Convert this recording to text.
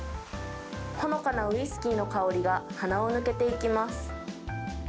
ほのかなウイスキーの香りが鼻を抜けていきます。